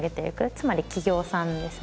つまり企業さんですね。